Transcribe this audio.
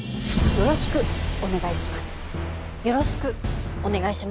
よろしくお願いします。